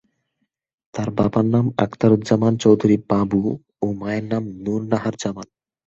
তার বাবার নাম আখতারুজ্জামান চৌধুরী বাবু ও মায়ের নাম নুর নাহার জামান।